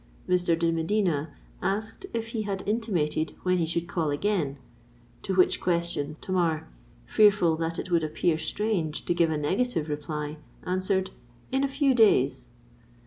Mr. de Medina asked if he had intimated when he should call again; to which question Tamar, fearful that it would appear strange to give a negative reply, answered—"In a few days."